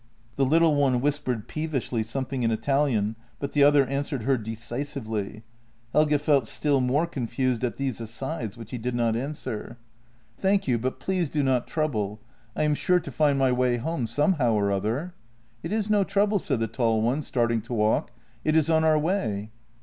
The little one whispered peevishly something in Italian, but the other answered her decisively. Helge felt still more con fused at these asides, which he did not understand. i8 JENNY " Thank you, but please do not trouble. I am sure to find my way home somehow or other." " It is no trouble," said the tall one, starting to walk; " it is on our way."